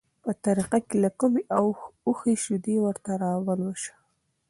په طریقه له کومې اوښې شیدې ورته راولوشه،